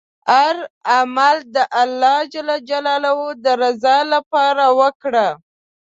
هر عمل د الله ﷻ د رضا لپاره وکړه.